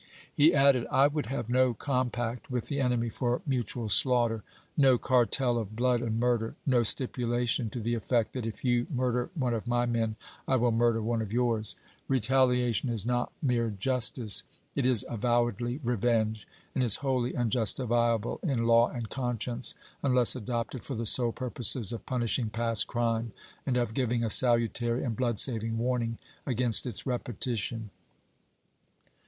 He added :" I would have no compact with the enemy for mutual slaughter ; no cartel of blood and murder ; no stipulation to the effect that if you murder one of my men I will murder one of yours ! Retaliation is not mere justice. It is avowedly revenge; and is wholly unjustifiable, in law and conscience, unless adopted for the sole purposes of punishing past crime and of giving a salutary and blood sa\ang warning against its repetition."